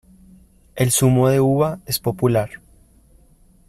El zumo de uva es popular.